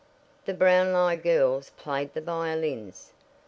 The Brownlie girls played the violins.